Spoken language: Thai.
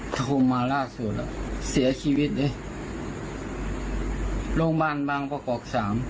โทรมาล่าสุดแล้วเสียชีวิตเลยโรงพยาบาลบางประกอบสาม